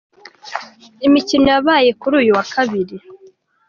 Imikino yabaye kuri uyu wa Kabiri:.